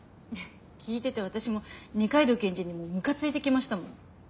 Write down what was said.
聞いてて私も二階堂検事にむかついてきましたもん。